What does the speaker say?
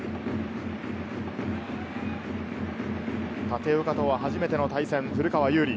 立岡とは初めての対戦、古川侑利。